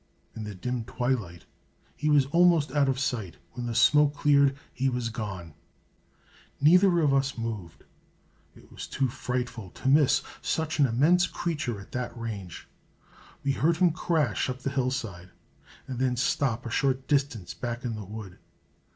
In the dim twilight he was almost out of sight. When the smoke cleared he was gone. Neither of us moved. It was too frightful to miss such an immense creature at that range. We heard him crash up the hillside and then stop a short distance back in the wood.